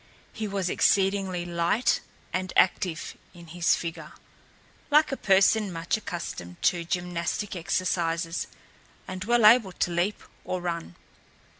He was exceedingly light and active in his figure, like a person much accustomed to gymnastic exercises and well able to leap or run.